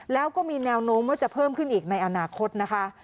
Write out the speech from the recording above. แล้วก็มีแนวโน้มว่าจะเพิ่มขึ้นอีกในอนาคตนะคะ